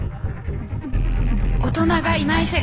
大人がいない世界。